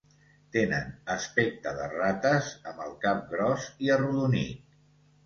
Tenen aspecte de rates amb el cap gros i arrodonit.